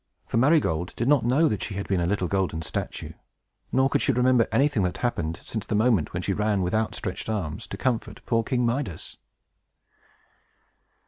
For Marygold did not know that she had been a little golden statue; nor could she remember anything that had happened since the moment when she ran with outstretched arms to comfort poor King Midas.